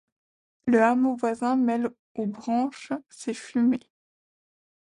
Le hameau voisin mêle aux branches ses fumées